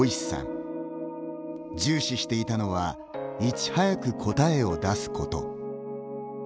重視していたのはいち早く答えを出すこと。